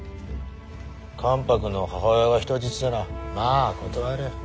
関白の母親が人質ならま断れん。